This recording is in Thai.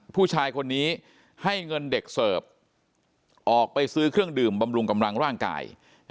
ผู้ชายคนนี้ให้เงินเด็กเสิร์ฟออกไปซื้อเครื่องดื่มบำรุงกำลังร่างกาย